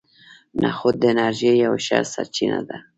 نخود د انرژۍ یوه ښه سرچینه ده.